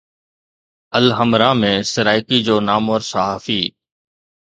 الحمراء ۾ سرائڪي جو نامور صحافي